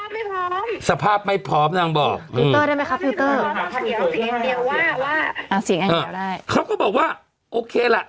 ไม่พร้อมสภาพไม่พร้อมนางบอกได้ไหมครับพี่เขาก็บอกว่าโอเคละ